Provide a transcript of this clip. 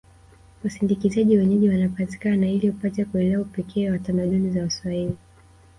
Wasindikizaji wenyeji wanapatikana ili upate kuelewa upekee wa tamaduni za waswahili